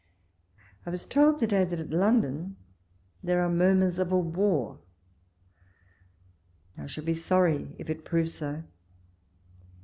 I was told to day that at London there are murmurs of a war. I shall be sorry if it prove so.